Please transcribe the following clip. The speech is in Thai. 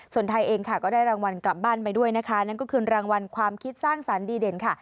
ส่วนไทยเองค่ะก็ได้รางวัลกลับบ้านไปด้วยนะคะนั่นก็คือรางวัลความคิดสร้างสรรค์ดีเด่นค่ะ